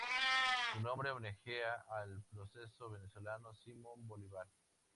Su nombre homenajea al prócer venezolano Simón Bolívar.